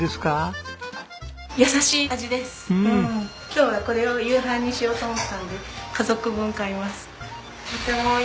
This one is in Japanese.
今日はこれを夕飯にしようと思ったんで家族分買います。